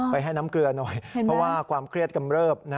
ให้น้ำเกลือหน่อยเพราะว่าความเครียดกำเริบ